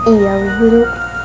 iya ibu guru